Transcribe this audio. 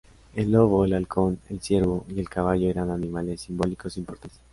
El lobo, el halcón, el ciervo y el caballo eran animales simbólicos importantes.